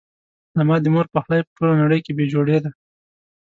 زما د مور پخلی په ټوله نړۍ کې بي جوړي ده